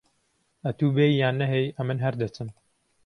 ئەتوو بێی یان نەهێی، ئەمن هەر دەچم.